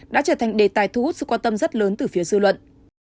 đã trở thành đề tài thu hút sự quan tâm rất lớn từ phía dư luận